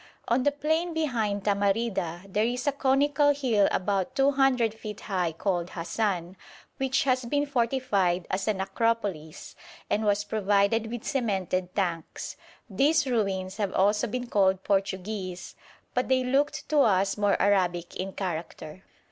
On the plain behind Tamarida there is a conical hill about 200 feet high called Hasan, which has been fortified as an Acropolis, and was provided with cemented tanks. These ruins have also been called Portuguese, but they looked to us more Arabic in character.